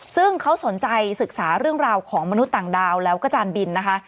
ซึ่งเขาสนใจศึกษาเรื่องราวของมนุษย์ต่างดาวแล้วก็จานบินนะคะ